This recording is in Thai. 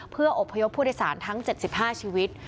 เพื่ออบพยพผู้โดยสารทั้ง๗๕ชีวิต